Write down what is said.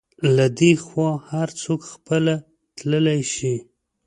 له دې خوا هر څوک خپله تللی شي.